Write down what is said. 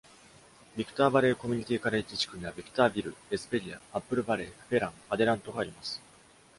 ビクターバレー・コミュニティカレッジ地区には、ビクターヴィル、エスペリア、アップルバレー、フェラン、アデラントがあります。